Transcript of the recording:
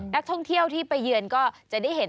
นักท่องเที่ยวที่ไปเยือนก็จะได้เห็น